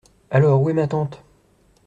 Alors, où est ma tante ?